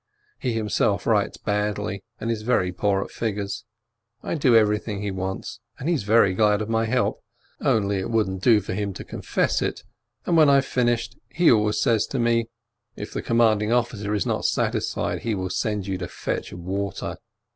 He himself writes badly, and is very poor at figures. I do everything he wants, and he is very glad of my help, only it wouldn't do for him to confess to it, and when I have finished, he always says to me: "If the commanding officer is not satisfied, he will send you to fetch water."